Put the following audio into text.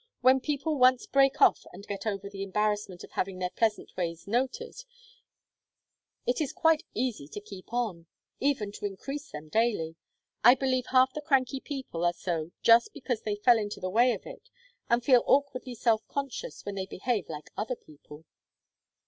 "When people once break off and get over the embarrassment of having their pleasant ways noted, it is quite easy to keep on, even to increase them daily. I believe half the cranky people are so just because they fell into the way of it, and feel awkwardly self conscious when they behave like other people."